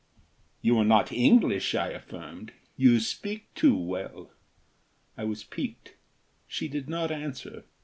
"You are not English," I affirmed. "You speak too well." I was piqued. She did not answer.